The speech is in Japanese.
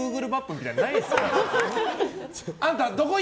みたいなのないですから。